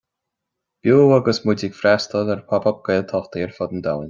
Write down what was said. Beo agus muid ag freastail ar pop-up Gaeltachtaí ar fud an domhain